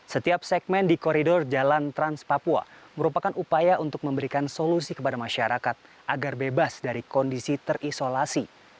setiap segmen di koridor jalan trans papua merupakan upaya untuk memberikan solusi kepada masyarakat agar bebas dari kondisi terisolasi